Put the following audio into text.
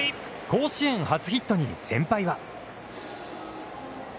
甲子園発ヒットに先輩は。